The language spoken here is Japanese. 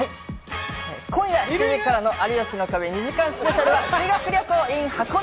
今夜７時からの『有吉の壁２時間スペシャル』は修学旅行ｉｎ箱根。